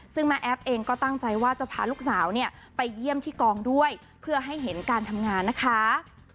ซึ่งแม่แอฟเองก็ตั้งใจว่าจะพาลูกสาวเนี่ยไปเยี่ยมที่กองด้วยเพื่อให้เห็นการทำงานนะคะ